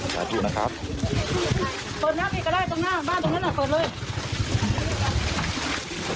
สาธุนะครับ